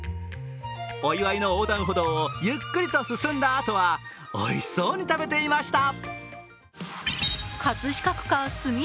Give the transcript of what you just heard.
お祝いの横断歩道をゆっくりと進んだあとはおいしそうに食べていました。